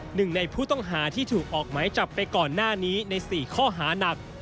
หนึ่งในผู้ต้องหาที่ถูกออกหมายจับไปก่อนหน้านี้ใน๔ข้อหานัก